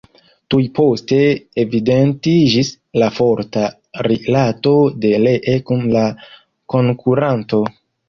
Tuj poste evidentiĝis la forta rilato de Lee kun la konkuranto.